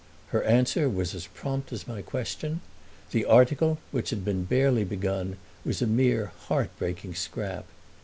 Her answer was as prompt as my question: the article, which had been barely begun, was a mere heartbreaking scrap.